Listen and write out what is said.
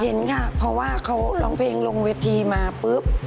เห็นค่ะเพราะว่าเขาร้องเพลงลงเวทีมาปุ๊บ